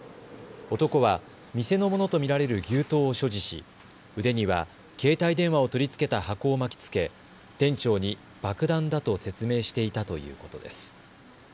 男は店のものと見られる牛刀を所持し、腕には携帯電話を取り付けた箱を巻きつけ店長に爆弾だと説明していたということです。